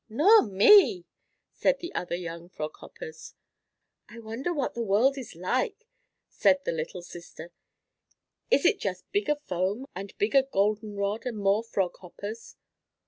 "Nor me!" said the other young Frog Hoppers. "I wonder what the world is like," said the little sister. "Is it just bigger foam and bigger golden rod and more Frog Hoppers?"